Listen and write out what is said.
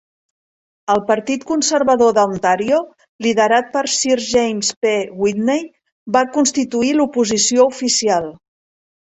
El Partit Conservador de Ontario, liderat per Sir James P. Whitney, va constituir l'oposició oficial.